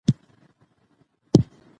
که ملګری وفادار وي نو راز نه افشا کیږي.